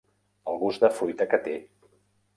"Pel gust de fruita que té!"